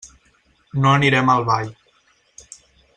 No anirem al ball.